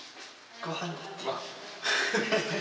ごはんだって。